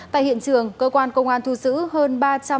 tại hiện trường cơ quan công an thu xứ hơn ba trăm sáu mươi